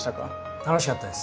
楽しかったです。